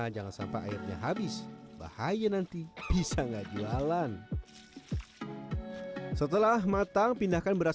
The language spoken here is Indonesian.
jangan sampai airnya habis bahaya nanti bisa nggak jualan setelah matang pindahkan beras